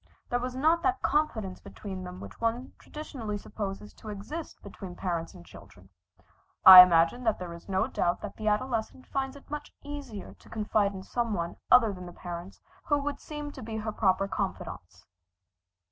There was not that confidence between them which one traditionally supposes to exist between parents and children. I imagine that there is no doubt that the adolescent finds it much easier to confide in some one other than the parents who would seem to be her proper confidants.